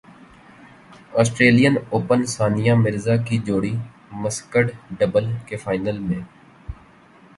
سٹریلین open Sania Mirza کی جوڑی mixed double کے فائنل میں